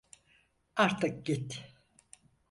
Artık git.